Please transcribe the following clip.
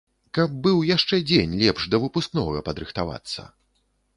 Каб быў яшчэ дзень лепш да выпускнога падрыхтавацца.